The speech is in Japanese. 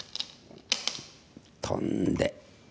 トンで。